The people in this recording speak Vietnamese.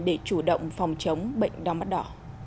để chủ động phòng chống bệnh đau mắt đỏ